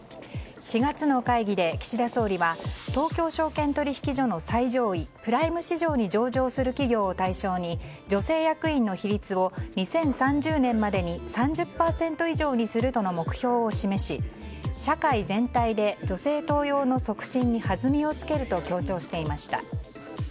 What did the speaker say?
４月の会議で岸田総理は東京証券取引所の最上位プライム市場に上場する企業を対象に女性役員の比率を２０３０年までに３０％以上にするとの目標を示し社会全体で女性登用の促進に弾みをつけると強調していました。